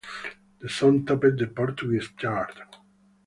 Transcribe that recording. The song topped the Portuguese chart.